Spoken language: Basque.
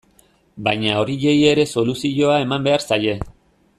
Baina horiei ere soluzioa eman behar zaie.